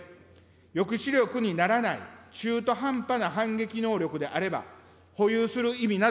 抑止力にならない中途半端な反撃能力であれば、保有する意味など